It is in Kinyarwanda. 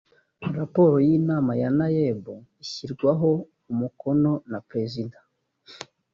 rporo y’inama ya naeb ishyirwaho umukono na perezida